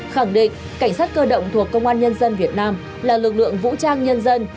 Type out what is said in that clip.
khẳng định cảnh sát cơ động thuộc công an nhân dân việt nam là lực lượng vũ trang nhân dân